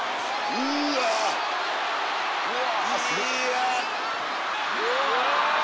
うわ！